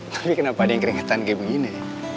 tapi kenapa ada yang keringetan kayak begini